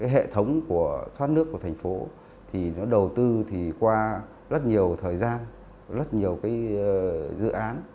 hệ thống của thoát nước của thành phố thì nó đầu tư thì qua rất nhiều thời gian rất nhiều dự án